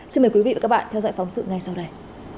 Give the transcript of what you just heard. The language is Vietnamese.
xin mời quý vị và các bạn theo dõi phóng sự ngay sau đây